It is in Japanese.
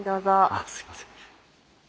あっすいません。